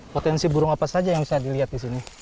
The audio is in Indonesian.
potensi burung apa saja yang bisa dilihat disini